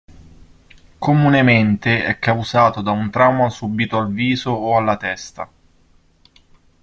Comunemente è causato da un trauma subito al viso o alla testa.